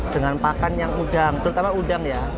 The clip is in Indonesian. dengan pakan yang udang terutama udang ya